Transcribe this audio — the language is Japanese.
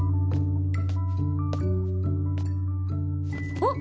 あっ！